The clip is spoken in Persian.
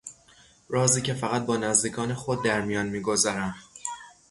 رازی که فقط با نزدیکان خود درمیان میگذارم